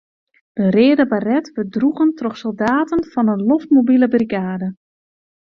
De reade baret wurdt droegen troch soldaten fan 'e loftmobile brigade.